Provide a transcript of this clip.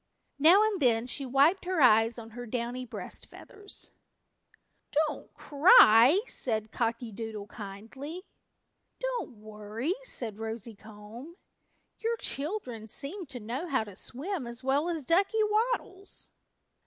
Now and then she wiped her eyes on her downy breast feathers. "Don't cry," said Cocky Doodle kindly. "Don't worry," said Rosy Comb. "Your children seem to know how to swim as well as Ducky Waddles."